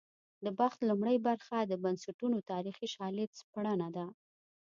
د بحث لومړۍ برخه د بنسټونو تاریخي شالید سپړنه ده.